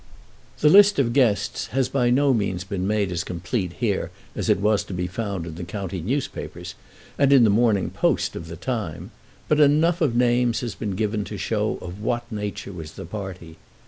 The list of guests has by no means been made as complete here as it was to be found in the county newspapers, and in the "Morning Post" of the time; but enough of names has been given to show of what nature was the party.